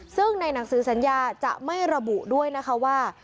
ซึ่งในหนังสือสัญญาจะไม่ระบุด้วยนะคะว่า